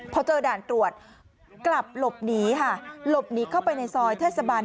พอเจอด่านตรวจกลับหลบหนีค่ะหลบหนีเข้าไปในซอยเทศบาล